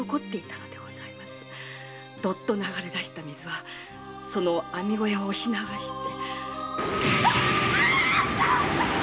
ドッと流れだした水はその網小屋を押し流して。